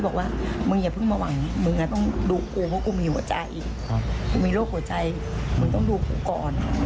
คุยวันจันทร์วันจันทร์ตอนเย็น